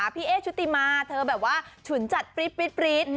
พี่เอ๊ชุติมาเธอแบบว่าฉุนจัดปรี๊ด